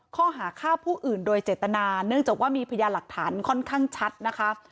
ข้อหาฆ่าผู้อื่นโดยเจตนาเนื่องจากว่ามีพยานหลักฐานค่อนข้างชัดนะคะ